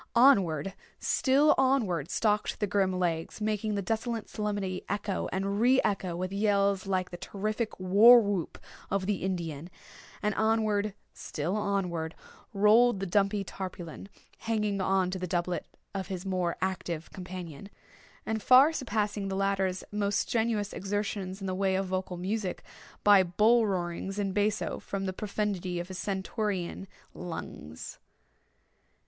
Onward—still onward stalked the grim Legs, making the desolate solemnity echo and re echo with yells like the terrific war whoop of the Indian; and onward, still onward rolled the dumpy Tarpaulin, hanging on to the doublet of his more active companion, and far surpassing the latter's most strenuous exertions in the way of vocal music, by bull roarings in basso, from the profundity of his stentorian lungs.